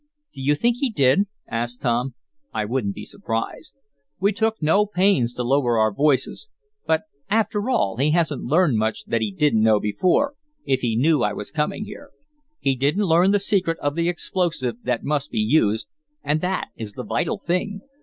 "Do you think he did?" asked Tom. "I wouldn't be surprised. We took no pains to lower our voices. But, after all, he hasn't learned much that he didn't know before, if he knew I was coming here. He didn't learn the secret of the explosive that must be used, and that is the vital thing.